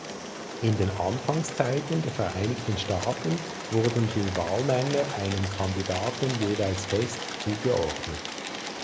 In den Anfangszeiten der Vereinigten Staaten wurden die Wahlmänner einem Kandidaten jeweils fest zugeordnet.